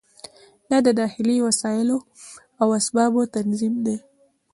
دا د داخلي وسایلو او اسبابو تنظیم دی.